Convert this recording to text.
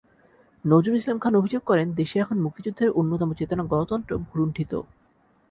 নজরুল ইসলাম খান অভিযোগ করেন, দেশে এখন মুক্তিযুদ্ধের অন্যতম চেতনা গণতন্ত্র ভূলুণ্ঠিত।